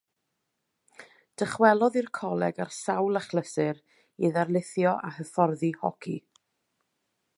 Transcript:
Dychwelodd i'r Coleg ar sawl achlysur i ddarlithio a hyfforddi hoci.